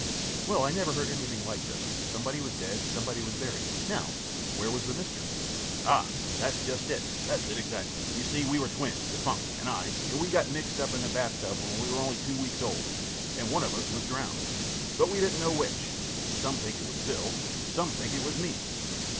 Q. Well, I never heard anything like this. Somebody was dead. Somebody was buried. Now, where was the mystery? A. Ah! that's just it! That's it exactly. You see, we were twins defunct and I and we got mixed in the bathtub when we were only two weeks old, and one of us was drowned. But we didn't know which. Some think it was Bill. Some think it was me.